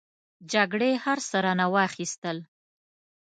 جګړې هر څه رانه واخستل.